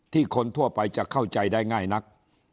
คนทั่วไปจะเข้าใจได้ง่ายนัก